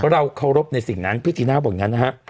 เราเคารพในสิ่งนั้นพี่จีน่าบอกอย่างนั้นนะฮะ